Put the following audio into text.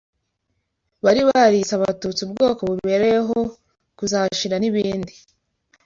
bari barise abatutsi ubwoko bubereyeho kuzashira n’ibindi